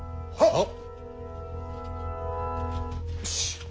はっ。